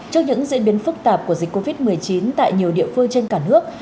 trước những diễn biến phức tạp của dịch covid một mươi chín tại nhiều địa phương trên cả nước